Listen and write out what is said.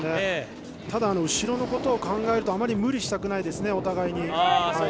ただ後ろのことを考えるとあまり無理したくないですねお互いに。